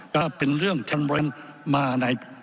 ถ้าเป็นเรื่องท่านมาใน